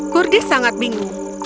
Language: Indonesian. kurdi sangat bingung